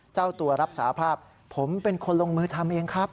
เจ้าตัวรับสาภาพผมเป็นคนลงมือทำเองครับ